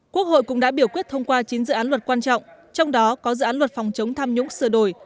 quốc hội cũng đã biểu quyết thông qua chín dự án luật quan trọng trong đó có dự án luật phòng chống tham nhũng sửa đổi